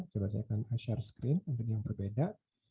saya akan share screen agar lebih berbeda